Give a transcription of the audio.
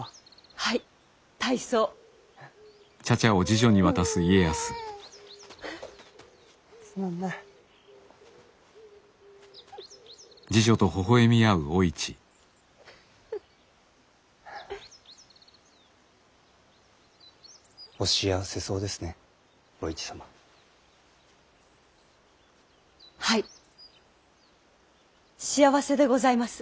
はい幸せでございます。